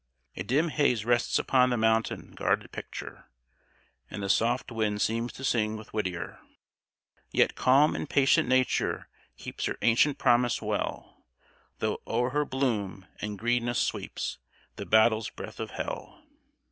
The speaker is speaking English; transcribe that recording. A dim haze rests upon the mountain guarded picture, and the soft wind seems to sing with Whittier: "Yet calm and patient Nature keeps Her ancient promise well, Though o'er her bloom and greenness sweeps The battle's breath of hell.